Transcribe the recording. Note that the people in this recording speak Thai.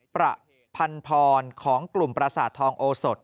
ประพันพรของกลุ่มประสาททองโอสด